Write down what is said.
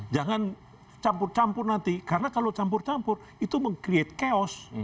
jangan campur campur nanti karena kalau campur campur itu meng create chaos